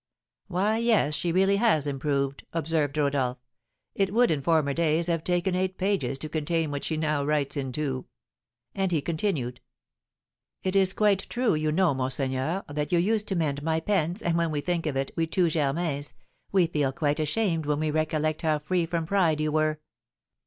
"Why, yes, she has really improved," observed Rodolph; "it would in former days have taken eight pages to contain what she now writes in two." And he continued: "It is quite true, you know, monseigneur, that you used to mend my pens, and when we think of it, we two Germains, we feel quite ashamed when we recollect how free from pride you were.